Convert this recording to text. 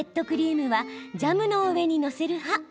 クリームはジャムの上に載せる派。